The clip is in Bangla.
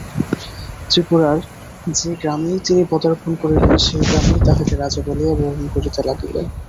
ত্রিপুরার যে গ্রামেই তিনি পদার্পণ করিলেন সেই গ্রামই তাঁহাকে রাজা বলিয়া বরণ করিতে লাগিল।